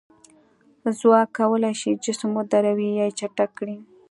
ځواک کولی شي جسم ودروي یا یې چټک کړي.